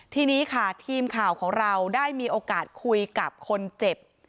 ทีนี้ค่ะทีมข่าวของเราได้มีโอกาสคุยกับคนเจ็บ